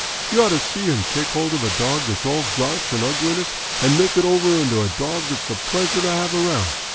You ought to see him take hold of a dog that's all grouch and ugliness and make it over into a dog that it's a pleasure to have around.